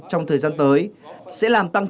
trong thời gian tới sẽ làm tăng